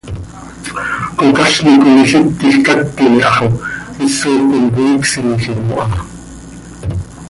Cocazni com ilít quij cactim iha xo isoj com cói csiijim oo ha.